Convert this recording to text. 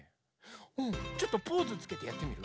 うんちょっとポーズつけてやってみる？